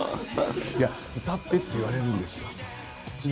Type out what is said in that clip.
いや、歌ってって言われるんですよ。